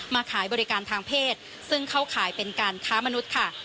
ขายบริการทางเพศซึ่งเข้าขายเป็นการค้ามนุษย์ค่ะ